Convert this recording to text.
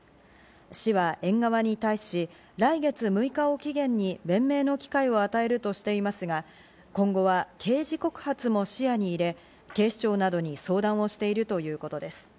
市は園側に対し、来月６日を期限に弁明の機会を与えるとしていますが、今後は刑事告発も視野に入れ警視庁などに相談もしているということです。